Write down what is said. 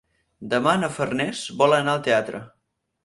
Demà na Farners vol anar al teatre.